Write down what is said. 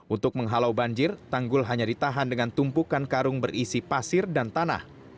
untuk menghalau banjir tanggul hanya ditahan dengan tumpukan karung berisi pasir dan tanah